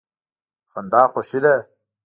خندا خوښي ده.